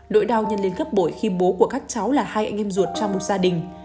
nỗi đau nhân lên gấp bội khi bố của các cháu là hai anh em ruột trong một gia đình